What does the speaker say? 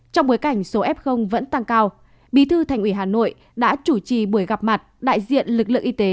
trong bối cảnh số f vẫn tăng cao bí thư thành ủy hà nội đã chủ trì buổi gặp mặt đại diện lực lượng y tế